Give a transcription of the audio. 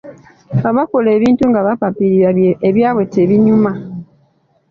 Abakola ebintu nga bapapirira ebyabwe tebinyuma